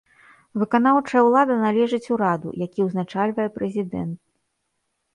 Выканаўчая ўлада належыць ураду, які ўзначальвае прэзідэнт.